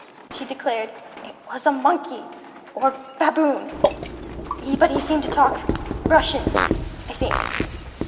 She declared: "It was a monkey, or baboon; but he seemed to talk Russian, I think."